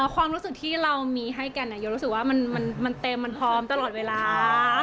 ความรู้สึกที่เรามีให้กันโยรู้สึกว่ามันเต็มมันพร้อมตลอดเวลา